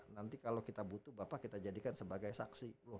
nanti kalau kita butuh bapak kita jadikan sebagai saksi